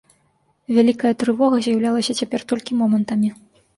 Вялікая трывога з'яўлялася цяпер толькі момантамі.